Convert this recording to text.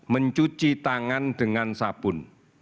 mencuci tangan dengan sabun